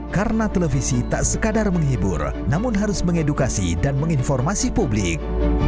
karena televisi tak sekadar menghibur namun harus mengedukasi dan menginformasi publik